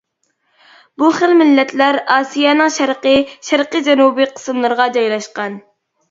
بۇ خىل مىللەتلەر ئاسىيانىڭ شەرقىي، شەرقىي جەنۇبى قىسىملىرىغا جايلاشقان.